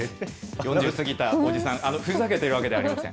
４０過ぎたおじさん、ふざけているわけではありません。